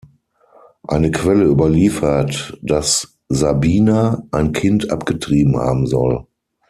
Eine Quelle überliefert, dass Sabina ein Kind abgetrieben haben soll.